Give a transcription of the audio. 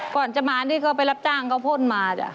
ก่อนจะมานี่เค้าไปรับจ้างเค้าพ่นมา